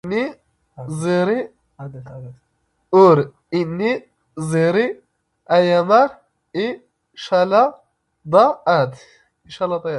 ⵓⵔ ⵉⵏⵏⵉ ⵣⵉⵔⵉ ⴰⵢⴰⵎⴰⵔ ⵉ ⵛⴰⵍⴰⴹⴰ ⴰⴷ.